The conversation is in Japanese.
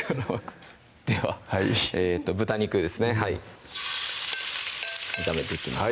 では豚肉ですねはい炒めていきます